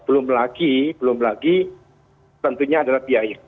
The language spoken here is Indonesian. belum lagi tentunya adalah biaya